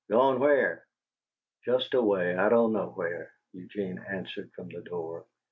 "Gone where?" "Just away. I don't know where," Eugene answered from the door.